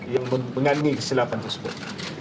yang mengandungi kesilapan tersebut